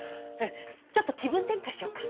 ちょっと気分転換しよっか。